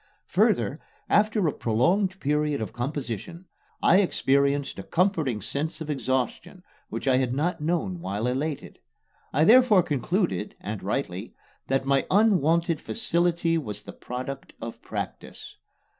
Further, after a prolonged period of composition, I experienced a comforting sense of exhaustion which I had not known while elated. I therefore concluded and rightly that my unwonted facility was the product of practice.